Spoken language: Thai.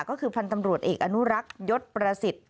ก็คือพันธ์ตำรวจเอกอนุรักษ์ยศประสิทธิ์